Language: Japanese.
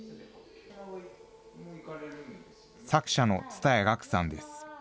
作者の蔦谷楽さんです。